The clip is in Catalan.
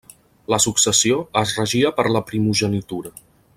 La successió es regia per la primogenitura.